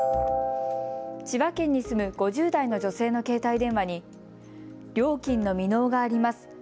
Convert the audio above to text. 千葉県に住む５０代の女性の携帯電話に料金の未納があります。